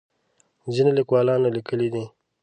ځینو لیکوالانو لیکلي دي.